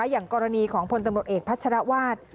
อย่างกรณีของพลตำรวจเอกพัชรวาส